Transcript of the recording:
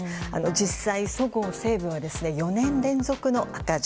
実際そごう・西武は４年連続の赤字